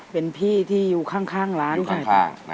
เป็นพี่ที่อยู่ข้างร้านกัน